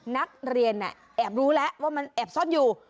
นักเรียนแอบรู้แล้วว่ามันแอบซ่อนอยู่